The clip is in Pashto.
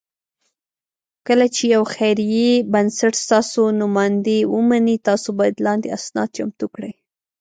کله چې یو خیري بنسټ ستاسو نوماندۍ ومني، تاسو باید لاندې اسناد چمتو کړئ: